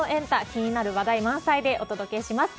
気になる話題満載でお届けします。